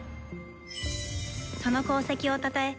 その功績をたたえ